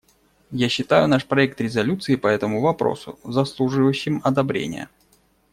Я считаю наш проект резолюции по этому вопросу заслуживающим одобрения.